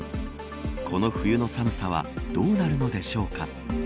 この冬の寒さはどうなるのでしょうか。